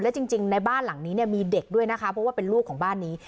จริงในบ้านหลังนี้เนี่ยมีเด็กด้วยนะคะเพราะว่าเป็นลูกของบ้านนี้